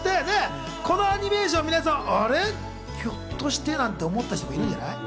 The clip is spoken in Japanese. このアニメーション、あれひょっとしてと思ったりした人もいるんじゃない？